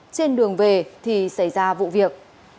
trên đường về thì xảy ra vụ việc